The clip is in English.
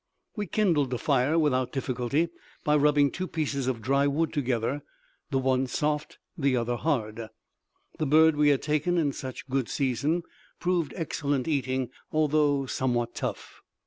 We kindled a fire without difficulty by rubbing two pieces of dry wood together, the one soft, the other hard. The bird we had taken in such good season proved excellent eating, although somewhat tough.